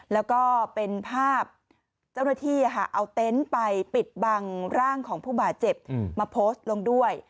แล้วก็เป็นภาพเจ้าหน้าที่เอาเต็นต์ไปปิดบังร่างของผู้บาดเจ็บมาโพสต์ลงด้วย